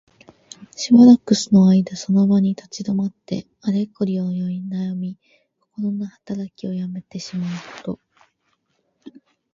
しばらくの間その場に立ち止まって、あれこれ思いなやみ、こころのはたらきをやめてしまうこと。